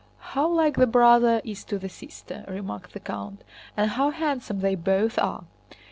"How like the brother is to the sister," remarked the count. "And how handsome they both are!"